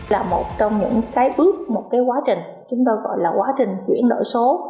là một trong những cái bước một cái quá trình chúng ta gọi là quá trình chuyển đổi số